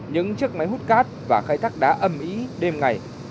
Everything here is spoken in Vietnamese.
những chiếc máy hút cát và khai thác đá âm ý đêm ngày